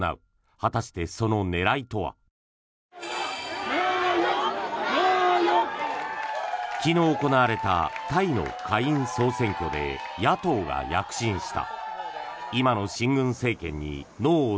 果たして、その狙いとは。昨日行われたタイの下院総選挙で野党が躍進した。